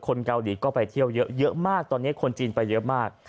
เกาหลีก็ไปเที่ยวเยอะมากตอนนี้คนจีนไปเยอะมาก